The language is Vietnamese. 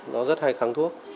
nó rất hay kháng thuốc